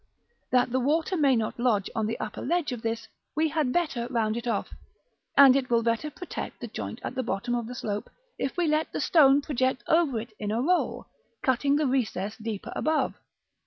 That the water may not lodge on the upper ledge of this, we had better round it off; and it will better protect the joint at the bottom of the slope if we let the stone project over it in a roll, cutting the recess deeper above.